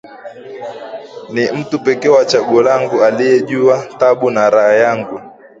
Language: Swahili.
Ni mtu pekee wa chaguo langu aliyejua tabu na raha yangu